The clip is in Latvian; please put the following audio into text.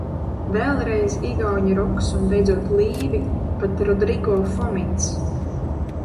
"Vēlreiz igauņu roks un beidzot "Līvi", pat Rodrigo Fomins."